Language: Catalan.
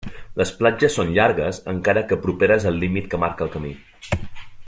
Les platges són llargues, encara que properes al límit que marca el camí.